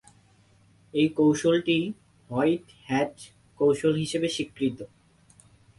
এই কৌশলটি white hat কৌশল হিসেবে স্বীকৃত।